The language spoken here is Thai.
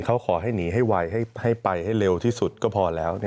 เขาขอให้หนีให้ไวให้ไปให้เร็วที่สุดก็พอแล้ว